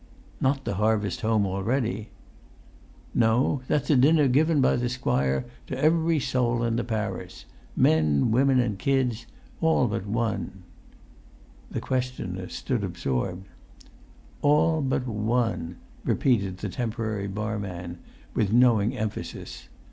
[Pg 196]"Not the harvest home already?" "No; that's a dinner given by the squire to every sowl in the parish—men, women, an' kids—all but one." The questioner stood absorbed. "All but one," repeated the temporary barman with knowing emphasis.